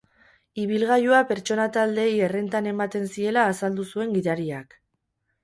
Ibilgailua pertsona taldeei errentan ematen ziela azaldu zuen gidariak.